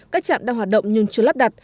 các trạm đang hoạt động nhưng chưa lắp đặt